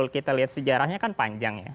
kita lihat sejarahnya kan panjang ya